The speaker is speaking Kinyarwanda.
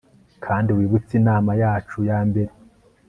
Kandi wibutse inama yacu yambere